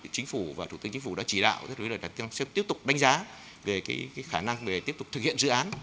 chính phủ và thủ tướng chính phủ đã chỉ đạo đã tiếp tục đánh giá về cái khả năng để tiếp tục thực hiện dự án